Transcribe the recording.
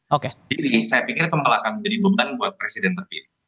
jadi saya pikir itu malah akan menjadi beban buat presiden terpilih